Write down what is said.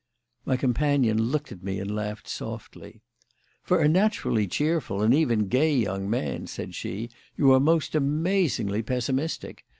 My companion looked at me and laughed softly. "For a naturally cheerful, and even gay young man," said she, "you are most amazingly pessimistic.